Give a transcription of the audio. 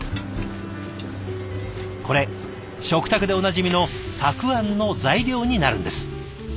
これ食卓でおなじみのたくあんの材料になるんです。